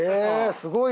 すごいね！